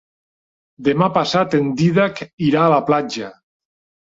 Demà passat en Dídac irà a la platja.